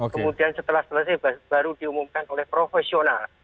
kemudian setelah selesai baru diumumkan oleh profesional